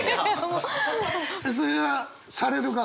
それはされる側？